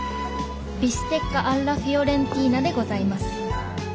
ビステッカ・アッラ・フィオレンティーナでございます。